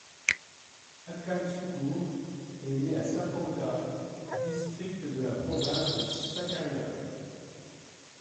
Hakan Şükür est né à Sapanca, district de la province de Sakarya.